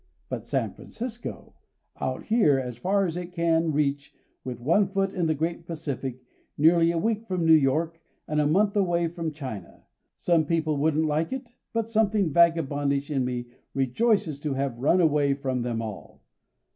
But San Francisco, out here as far as it can reach with one foot in the great Pacific, nearly a week from New York and a month away from China, some people wouldn't like it, but something vagabondish in me rejoices to have run away from them all.